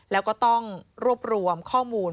แล้วก็ต้องรวบรวมข้อมูล